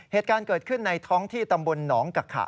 เหตุการณ์เกิดขึ้นในท้องที่ตำบลหนองกะขะ